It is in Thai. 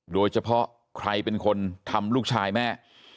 โดยเฉพาะใครเป็นคนทำลูกชายแม่